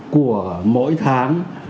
của mỗi tháng